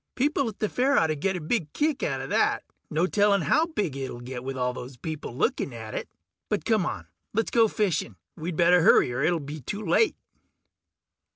People at the fair oughtta get a big kick outta that. No telling how big it'll get with all those people looking at it. But come on, let's go fishing. We'd better hurry or it'll be too late.